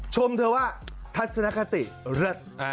ชมเธอว่าทัศนคติรัด